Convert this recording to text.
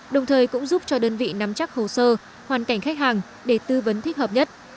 đồng thời cũng giúp cho đơn vị nắm chắc hồ sơ hoàn cảnh khách hàng để tư vấn thích hợp nhất